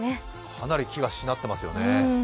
かなり木がしなってますよね。